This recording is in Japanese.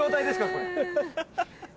これ。